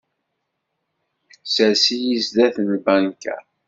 Sers-iyi zzat n lbanka.